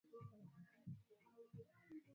Hakika nafasi nzuri ya kuanza ni katika jiwe